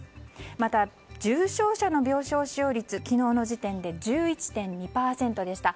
また、重症者の病床使用率は昨日の時点で１１．２％でした。